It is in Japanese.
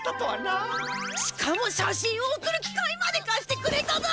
しかも写真を送るきかいまでかしてくれただ。